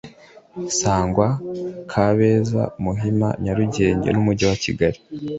Sangwa, Kabeza, Muhima, Nyarugenge n’ Umujyi wa Kigali